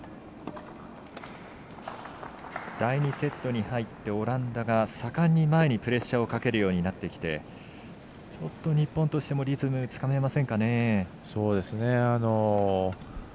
第２セットに入ってオランダが盛んに前にプレッシャーをかけるようになってきてちょっと日本としてもリズムつかめませんかね。